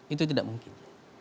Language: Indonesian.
itu tidak mungkin